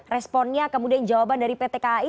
responnya kemudian jawaban dari pt kai